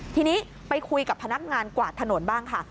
ทีนี้ไปคุยกับพนักงานกวาดถนนบ้างค่ะ